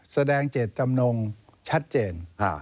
แสดงเจตจำนงชัดเจน